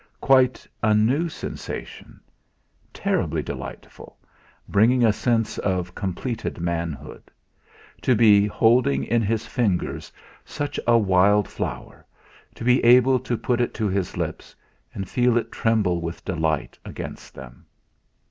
Quite a new sensation; terribly delightful, bringing a sense of completed manhood. To be holding in his fingers such a wild flower, to be able to put it to his lips, and feel it tremble with delight against them!